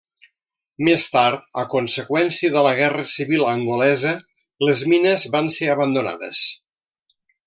Més tard a conseqüència de la Guerra Civil angolesa les mines van ser abandonades.